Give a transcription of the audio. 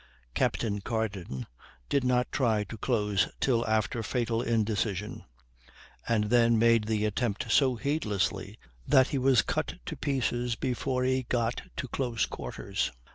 Captain Carden did not try to close till after fatal indecision, and then made the attempt so heedlessly that he was cut to pieces before he got to close quarters.